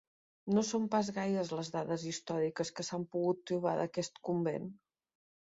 No són pas gaires les dades històriques que s'han pogut trobar d'aquest convent.